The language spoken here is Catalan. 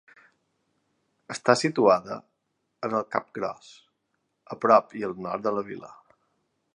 Està situada en el Cap Gros, a prop i al nord de la vila.